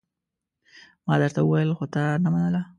ما درته وويل خو تا نه منله!